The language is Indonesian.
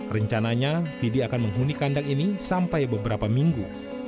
rencananya fidi akan menghuni kandang ini sampai beberapa minggu